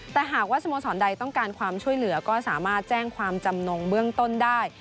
แต่หากว่าสโมสรใดต้องการความช่วยเหลือก็สามารถแจ้งความจำนงเบื้องต้นได้